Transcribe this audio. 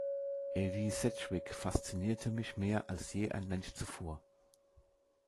Edie Sedgwick faszinierte mich mehr als je ein Mensch zuvor.